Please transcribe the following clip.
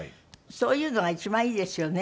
そういうのが一番いいですよね。